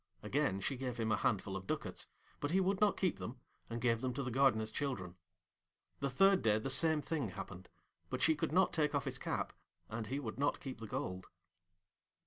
Again she gave him a handful of ducats, but he would not keep them, and gave them to the Gardener's children. The third day the same thing happened, but she could not take off his cap, and he would not keep the gold.